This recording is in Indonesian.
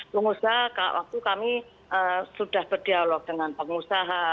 pengusaha waktu kami sudah berdialog dengan pengusaha